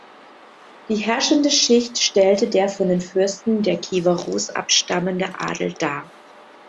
Die herrschende Schicht stellte der von den Fürsten der Kiewer Rus abstammende Adel dar.